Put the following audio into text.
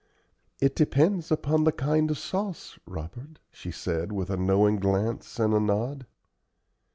"It depends upon the kind of sauce, Robert," she said with a knowing glance and a nod.